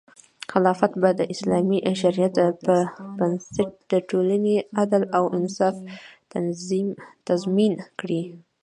خلافت به د اسلامي شریعت په بنسټ د ټولنې عدل او انصاف تضمین کړي.